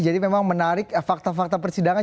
jadi memang menarik fakta fakta persidangan